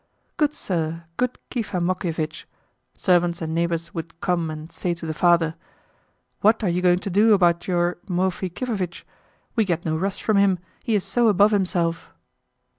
"Good sir, good Kifa Mokievitch," servants and neighbours would come and say to the father, "what are you going to do about your Moki Kifovitch? We get no rest from him, he is so above himself."